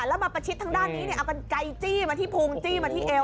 แล้วมาประชิดทางด้านนี้เอากันไกลจี้มาที่พุงจี้มาที่เอว